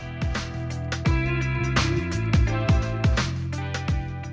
menteri bersangkutan mengundurkan izin dari presiden